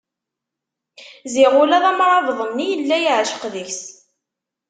Ziɣ ula d amrabeḍ-nni yella yeɛceq deg-s.